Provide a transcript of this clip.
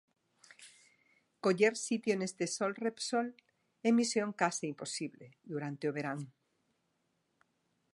Coller sitio neste Sol Repsol é misión case imposible durante o verán.